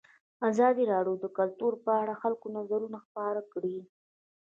ازادي راډیو د کلتور په اړه د خلکو نظرونه خپاره کړي.